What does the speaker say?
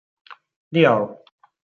Li Yao